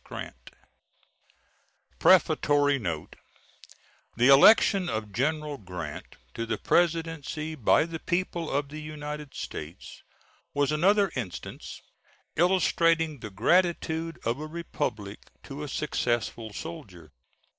GRANT Prefatory Note The election of General Grant to the Presidency by the people of the United States was another instance illustrating the gratitude of a republic to a successful soldier.